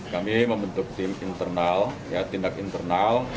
kami membentuk tim internal tindak internal